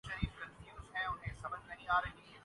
افراد کی جانب سے یہ مطالبہ کیا جا رہا ہے